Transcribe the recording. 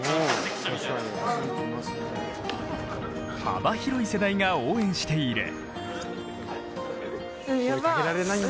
幅広い世代が応援している。